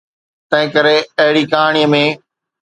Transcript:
تنهنڪري اهڙي ڪهاڻي ۾.